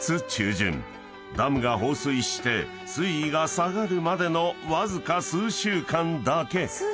［ダムが放水して水位が下がるまでのわずか数週間だけ］